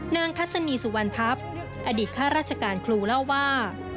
ทัศนีสุวรรณทัพอดีตข้าราชการครูเล่าว่า